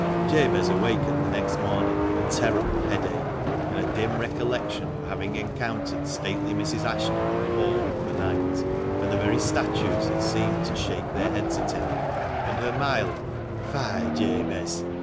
Jabez awakened the next morning with a terrible headache, and a dim recollection of having encountered stately Mrs. Ashton in the hall overnight, when the very statues had seemed to shake their heads at him, and her mild, " Fie, Jabez